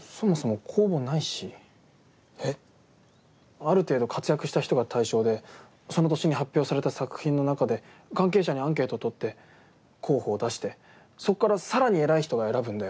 ある程度活躍した人が対象でその年に発表された作品の中で関係者にアンケート取って候補を出してそこから更に偉い人が選ぶんだよ。